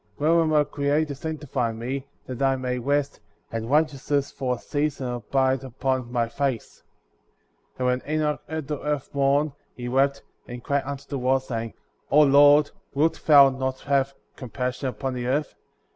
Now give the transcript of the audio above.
When will my Creator sanctify me, that I may rest, and righteousness for a season abide upon my face ? 49. And when Enoch heard the earth mourn, he wept,^ and cried unto the Lord, saying : Lord, wilt thou not have compassion upon the earth?